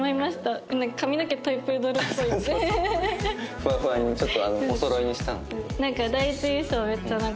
ふわふわにちょっとおそろいにしたの。